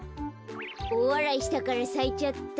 おおわらいしたからさいちゃった。